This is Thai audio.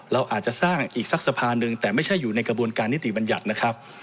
เราอาจจะสร้างอีกสักสะพานหนึ่งแต่ไม่ใช่อยู่ในกระบวนการนิติบัญญัตินะครับ